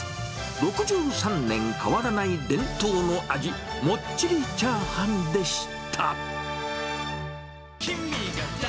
６３年変わらない伝統の味、もっちりチャーハンでした。